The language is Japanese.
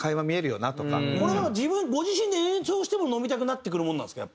これはご自身で演奏しても飲みたくなってくるもんなんですか？